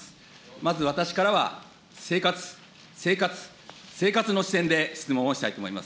まず私からは生活、生活、生活の視点で質問をしたいと思います。